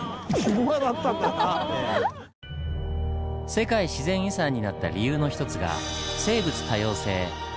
世界自然遺産になった理由の一つが「生物多様性」。